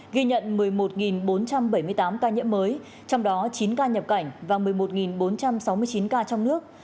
ghi nhận một mươi một bốn trăm bảy mươi tám ca nhiễm mới trong đó chín ca nhập cảnh và một mươi một bốn trăm sáu mươi chín ca trong nước